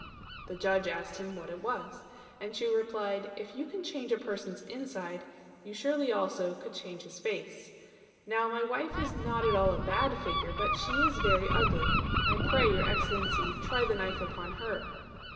The Judge asked him what it was; and Chu replied, "If you can change a person's inside, you surely could also change his face. Now my wife is not at all a bad figure, but she is very ugly. I pray Your Excellency try the knife upon her."